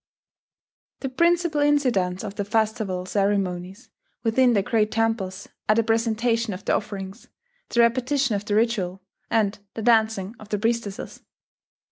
The principal incidents of the festival ceremonies within the great temples are the presentation of the offerings, the repetition of the ritual, and the dancing of the priestesses.